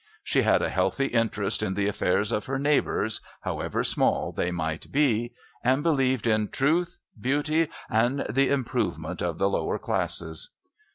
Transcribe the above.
She had a healthy interest in the affairs of her neighbours, however small they might be, and believed in "Truth, Beauty, and the Improvement of the Lower Classes."